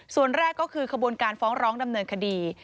ส่วนแรกก็คือขบวนการฟ้องร้องดำเนินคดี